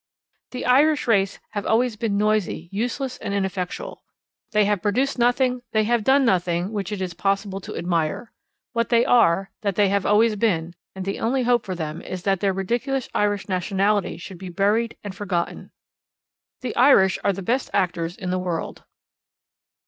The Irish race have always been noisy, useless and ineffectual. They have produced nothing, they have done nothing, which it is possible to admire. What they are, that they have always been, and the only hope for them is that their ridiculous Irish nationality should be buried and forgotten. The Irish are the best actors in the world.